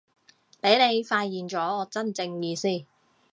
畀你發現咗我真正意思